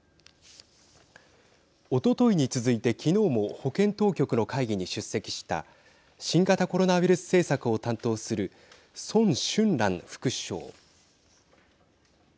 おとといに続いて昨日も保健当局の会議に出席した新型コロナウイルス政策を担当する孫春蘭副首相。